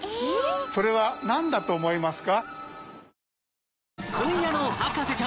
それはなんだと思いますか？